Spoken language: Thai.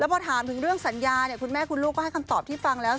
พอถามถึงเรื่องสัญญาเนี่ยคุณแม่คุณลูกก็ให้คำตอบที่ฟังแล้ว